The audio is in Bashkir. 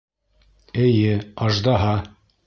Эйе, аждаһа!